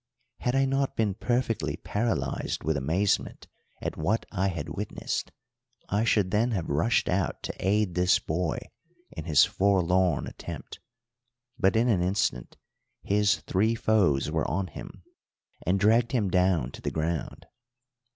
Had I not been perfectly paralysed with amazement at what I had witnessed, I should then have rushed out to aid this boy in his forlorn attempt; but in an instant his three foes were on him and dragged him down to the ground.